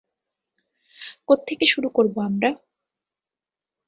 কোত্থেকে শুরু করবো আমরা?